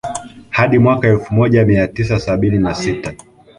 Hadi mwaka elfu moja mia tisa sabini na sita